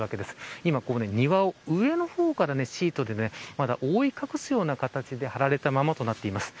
今、庭を上の方からシートでまだ覆い隠すような形で覆われたままとなっています。